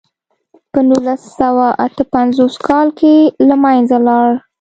په نولس سوه اته پنځوس کال کې له منځه لاړ.